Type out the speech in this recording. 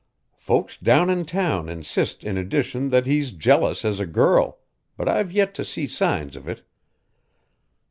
Folks down in town insist in addition that he's jealous as a girl, but I've yet to see signs of it.